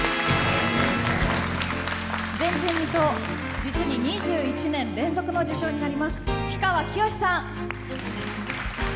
前人未到、実に２１年連続の受賞となります氷川きよしさん。